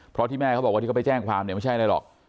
เพราะที่แม่เขาบอกว่าที่เขาไปแจ้งความเนี่ยไม่ใช่อะไรหรอก